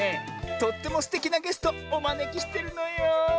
とってもすてきなゲストおまねきしてるのよ。